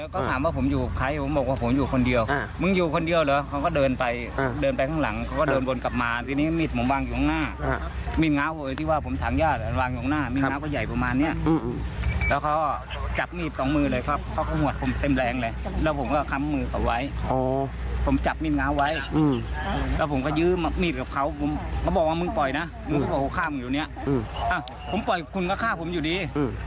ก็บอกว่ามึงปล่อยนะมึงก็บอกว่าข้ามึงอยู่เนี่ยอ่ะผมปล่อยคุณก็ฆ่าผมอยู่ดี